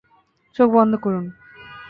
চোখ বন্ধ করুন।